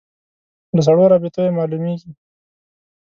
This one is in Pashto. له سړو رابطو یې معلومېږي.